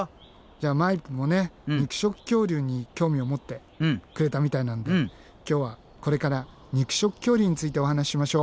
じゃあマイプもね肉食恐竜に興味を持ってくれたみたいなんで今日はこれから肉食恐竜についてお話ししましょう。